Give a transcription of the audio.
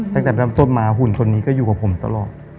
ตั้งแต่ตอนมาหุ่นตรงนี้ก็อยู่กับผมตลอด